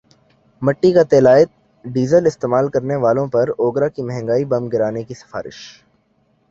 مٹی کا تیللائٹ ڈیزل استعمال کرنے والوں پر اوگرا کی مہنگائی بم گرانے کی سفارش